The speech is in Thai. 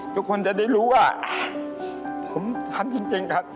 ทุกคนจะได้รู้ว่าผมทำจริงครับ